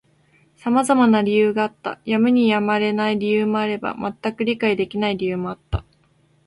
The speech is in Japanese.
様々な理由があった。やむにやまれない理由もあれば、全く理解できない理由もあった。